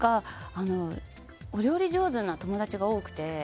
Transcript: お料理上手な友達が多くて。